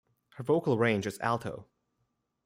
Her vocal range is alto.